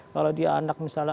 kalau dia anak misalnya